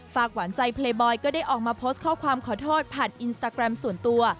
หวานใจเพลย์บอยก็ได้ออกมาโพสต์ข้อความขอโทษผ่านอินสตาแกรมส่วนตัว